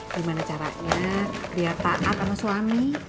gimana caranya dia taat sama suami